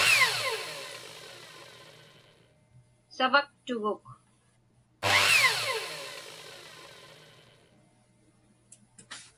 Savaktuguk.